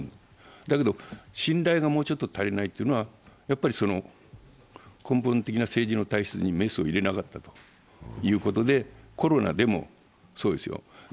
だけど信頼がもうちょっと足りないというのは根本的な政治の体質にメスを入れなかったということで、コロナでもそうですよ。